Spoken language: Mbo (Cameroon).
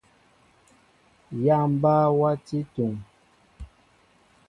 Yááŋ mbaa wati ntúŋ.